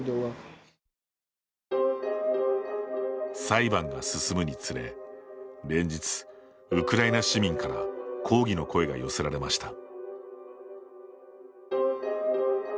裁判が進むにつれ連日ウクライナ市民から抗議の声が寄せられました。